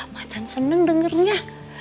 macan seneng dengernya